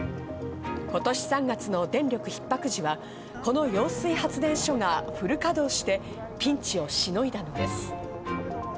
今年３月の電力ひっ迫時は、この揚水発電所がフル稼働して、ピンチをしのいだのです。